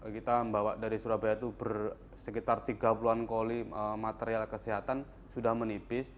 kita membawa dari surabaya itu bersekitar tiga puluh an koli material kesehatan sudah menipis